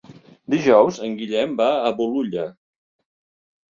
Dijous en Guillem va a Bolulla.